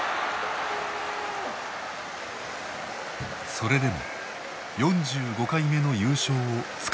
それでも４５回目の優勝をつかみ取った。